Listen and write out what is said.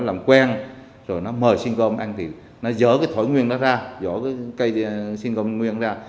làm quen rồi nó mời xuyên gôm anh thì nó dỡ cái thổi nguyên đó ra dỡ cái cây xuyên gôm nguyên ra